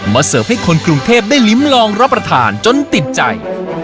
เสิร์ฟให้คนกรุงเทพได้ลิ้มลองรับประทานจนติดใจ